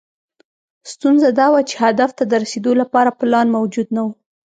ستونزه دا وه چې هدف ته د رسېدو لپاره پلان موجود نه و.